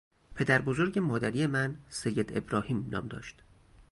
پدربزرگ مادری من سید ابراهیم نام داشت.